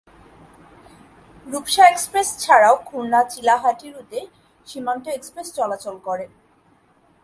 Rupsa express ছাড়াও খুলনা চিলাহাটি রুটে Simanta express চলাচল করে।